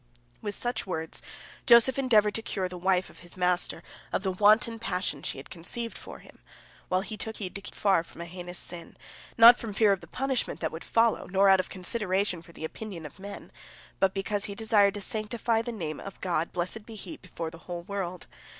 " With such words, Joseph endeavored to cure the wife of his master of the wanton passion she had conceived for him, while he took heed to keep far from a heinous sin, not from fear of the punishment that would follow, nor out of consideration for the opinion of men, but because he desired to sanctify the Name of God, blessed be He, before the whole world.